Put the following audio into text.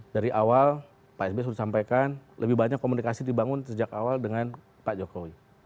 dari awal pak sby sudah sampaikan lebih banyak komunikasi dibangun sejak awal dengan pak jokowi